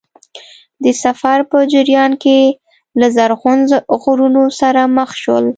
د سفر په جریان کې له زرغون غرونو سره مخ شول.